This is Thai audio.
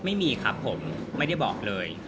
ไม่มีครับผมไม่ได้บอกเลย